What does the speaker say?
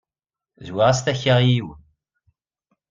Zwiɣ-as takka i yiwen.